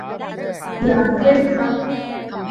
อย่างเคร่งครัด